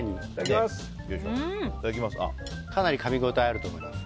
かなりかみ応えあると思います。